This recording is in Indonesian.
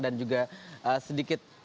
dan juga sedikit